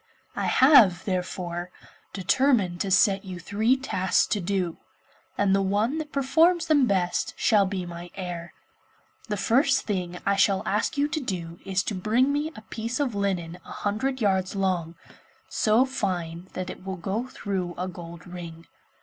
I have, therefore, determined to set you three tasks to do, and the one that performs them best shall be my heir. The first thing I shall ask you to do is to bring me a piece of linen a hundred yards long, so fine that it will go through a gold ring.